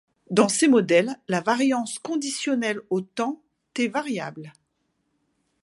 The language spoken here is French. Dans ces modèles, la variance conditionnelle au temps t est variable.